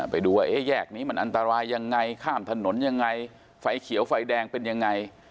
ไปดูว่าแยกนี้มันอันตรายยังไงข้ามถนนยังไงไฟเขียวไฟแดงเป็นยังไง